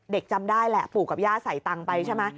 จำได้แหละปู่กับย่าใส่ตังค์ไปใช่ไหม